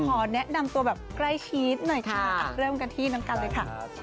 ขอแนะนำตัวแบบใกล้ชิดหน่อยค่ะเริ่มกันที่น้องกันเลยค่ะ